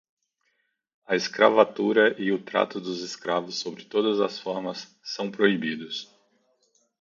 a escravatura e o trato dos escravos, sob todas as formas, são proibidos.